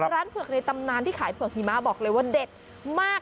เผือกในตำนานที่ขายเผือกหิมะบอกเลยว่าเด็ดมาก